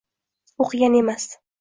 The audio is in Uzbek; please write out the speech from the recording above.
o’qigan emas.